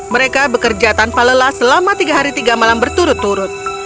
mereka bekerja tanpa lelah selama tiga hari tiga malam berturut turut